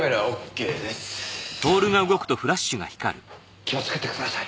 気をつけてください。